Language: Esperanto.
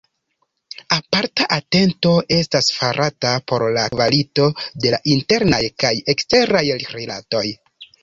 Aparta atento estas farata por la kvalito de la internaj kaj eksteraj rilatoj.